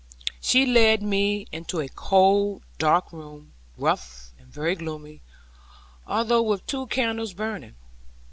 She led me into a cold, dark room, rough and very gloomy, although with two candles burning.